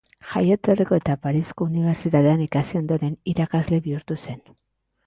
Jaioterriko eta Parisko Unibertsitatean ikasi ondoren, irakasle bihurtu zen.